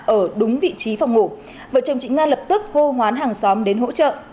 ở đúng vị trí phòng ngủ vợ chồng chị nga lập tức hô hoán hàng xóm đến hỗ trợ